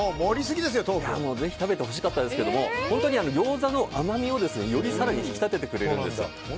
ぜひ食べてほしかったですが本当にギョーザの甘みをより更に引き立ててくれるんです。